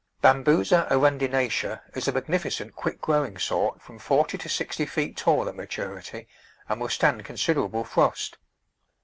Bam busa arundinacea is a magnificent quick growing sort from forty to sixty feet tall at maturity, and will stand considerable frost.